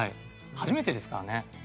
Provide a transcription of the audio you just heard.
初めてですからね。